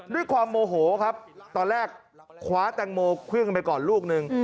ด้วยความโมโหครับตอนแรกคว้าแตงโมเครื่องไปก่อนลูกนึง